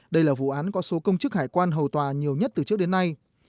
đây là vụ án có số công chức hải quan hầu tòa nhiều nhất từ trước đến nay